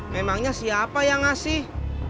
memangnya siapa yang ngasih